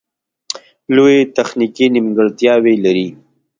لویې تخنیکې نیمګړتیاوې لري